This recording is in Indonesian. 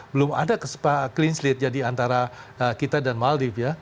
belum ada clean slate jadi antara kita dan maldive ya